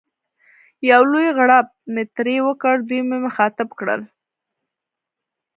یو لوی غړپ مې ترې وکړ، دوی مې مخاطب کړل.